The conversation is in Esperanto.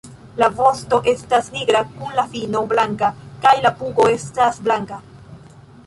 La vosto estas nigra kun la fino blanka kaj la pugo estas blanka.